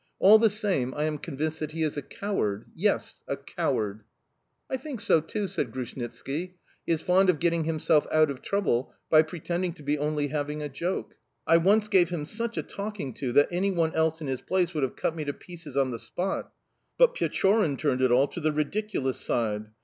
All the same, I am convinced that he is a coward yes, a coward!" "I think so too," said Grushnitski. "He is fond of getting himself out of trouble by pretending to be only having a joke. I once gave him such a talking to that anyone else in his place would have cut me to pieces on the spot. But Pechorin turned it all to the ridiculous side.